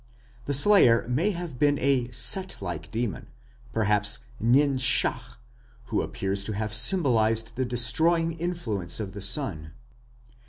The slayer may have been a Set like demon perhaps Nin shach, who appears to have symbolized the destroying influence of the sun.